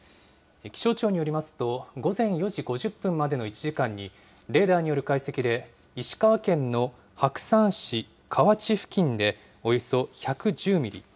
気象庁によりますと午前４時５０分までの１時間にレーダーによる解析で石川県の白山市河内付近でおよそ１１０ミリ。